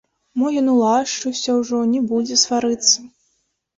Мо ён улашчыўся ўжо, не будзе сварыцца.